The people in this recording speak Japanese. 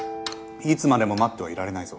いつまでも待ってはいられないぞ。